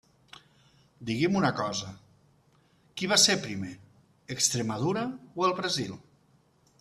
Digui'm una cosa, ¿qui va ser primer, Extremadura o el Brasil?